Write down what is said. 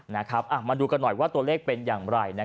มาดูกันหน่อยว่าตัวเลขเป็นอย่างไร